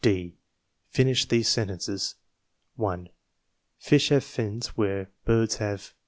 d. Finish these sentences: 1. Fish have fins where birds have